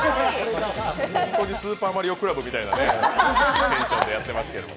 本当にスーパーマリオクラブみたいなテンションでやってますけど。